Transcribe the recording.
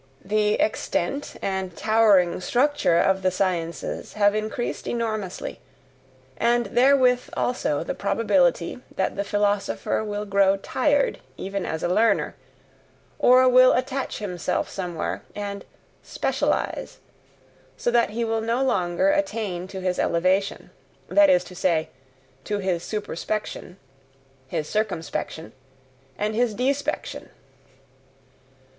The extent and towering structure of the sciences have increased enormously, and therewith also the probability that the philosopher will grow tired even as a learner, or will attach himself somewhere and "specialize" so that he will no longer attain to his elevation, that is to say, to his superspection, his circumspection, and his DESPECTION.